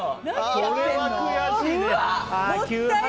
これは悔しいね。